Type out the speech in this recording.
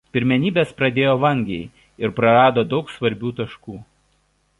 Pirmenybes pradėjo vangiai ir prarado daug svarbių taškų.